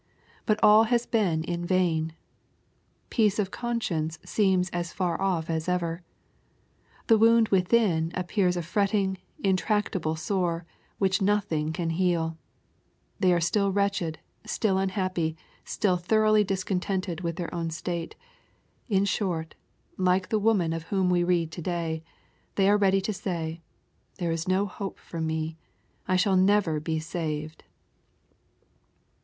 But all has been in vain. Peace of con science seems as far off as ever. The wound within ap pears a fretting, intractable sore, which nothing can heaL They are still wretched, still unhappy, still thoroughly discontented with their own state. In short, like the woman of whom we read to day, they are ready to say, " There is no hope for me. I shall never be saved."